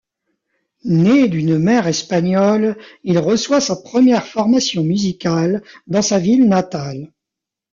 Né d'une mère espagnole, il reçoit sa première formation musicale dans sa ville natale.